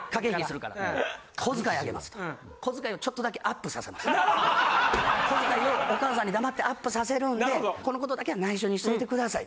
「小遣いをお母さんに黙ってアップさせるんでこのことだけは内緒にしといてください」。